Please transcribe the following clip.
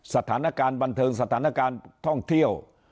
สถานการณ์บันเทิงสถานการณ์ท่องเที่ยว